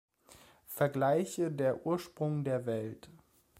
Vergleiche Der Ursprung der Welt.